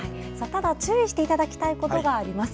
ただ注意していただきたいことがあります。